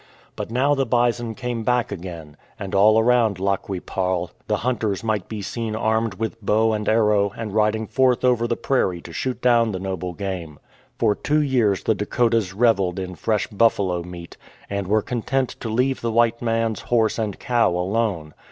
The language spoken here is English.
But now the bison came back again, and all around Lac qui parle the hunters might be seen armed with bow and arrow and riding forth over the prairie to shoot down the noble game. For two years the Dakotas revelled in fresh buffalo meat, and were content to leave the white man's horse and cow alone.